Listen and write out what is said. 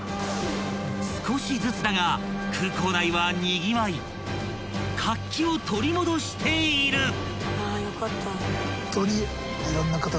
［少しずつだが空港内はにぎわい活気を取り戻している］